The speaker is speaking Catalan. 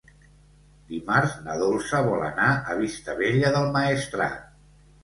Dimarts na Dolça vol anar a Vistabella del Maestrat.